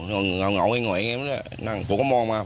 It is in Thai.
เหงาไงไงนั่งผมก็มองมา